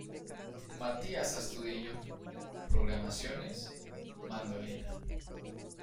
Matías Astudillo: Programaciones, mandolina.